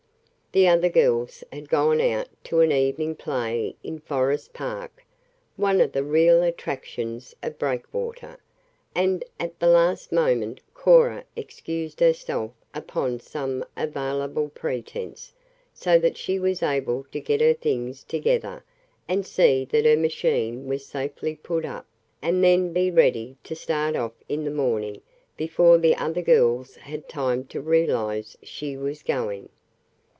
The other girls had gone out to an evening play in Forest Park, one of the real attractions of Breakwater, and at the last moment Cora excused herself upon some available pretense so that she was able to get her things together and see that her machine was safely put up, and then be ready to start off in the morning before the other girls had time to realize she was going.